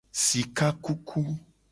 Sika kuku.